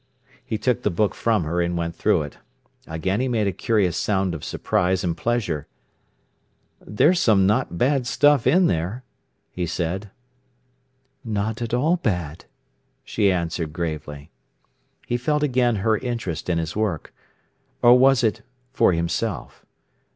He took the book from her and went through it. Again he made a curious sound of surprise and pleasure. "There's some not bad stuff in there," he said. "Not at all bad," she answered gravely. He felt again her interest in his work. Or was it for himself?